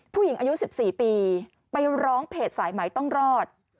ผู้หญิงอายุ๑๔ปีไปร้องเพจสายไหมต้องรอด